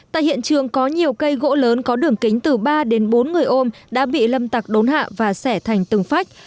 tại hiện trường có nhiều cây gỗ lớn có đường kính từ ba đến bốn người ôm đã bị lâm tặc đốn hạ và sẻ thành từng phách